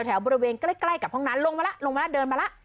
แถวบริเวณใกล้กับห้องน้ำลงมาละลงมาละเดินมาละ